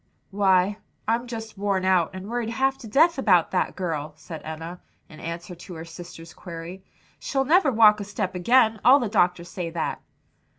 "Why, I'm just worn out and worried half to death about that girl," said Enna, in answer to her sister's query. "She'll never walk a step again all the doctors say that."